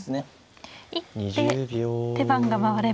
一手手番が回れば。